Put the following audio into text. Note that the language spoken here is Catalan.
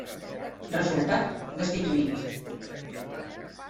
Resultat: destituït.